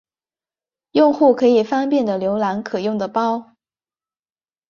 用户可以方便的浏览可用的包。